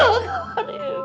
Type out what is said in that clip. liris kemana sih